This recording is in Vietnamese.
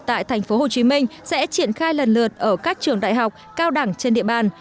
tại tp hcm sẽ triển khai lần lượt ở các trường đại học cao đẳng trên địa bàn